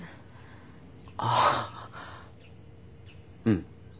あぁうん。